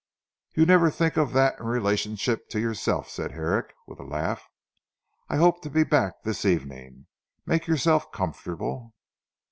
"You never think of that in relation to yourself," said Herrick with a laugh. "I hope to be back this evening. Make yourself comfortable."